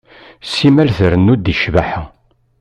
Simmal trennu deg ccbaḥa.